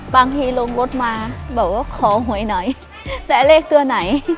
บางทีลงรถมาบอกว่าขอหวยหน่อยแต่เลขตัวไหน